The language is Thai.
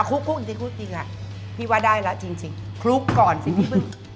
คุกจริงอะพี่ว่าได้แล้วจริงคลุกก่อนสิพี่พึ่ง